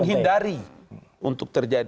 menghindari untuk terjadi